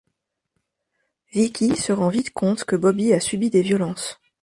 Vicki se rend vite compte que Bobby a subi des violences.